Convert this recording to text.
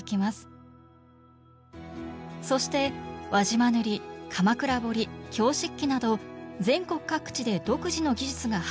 そして輪島塗鎌倉彫京漆器など全国各地で独自の技術が発展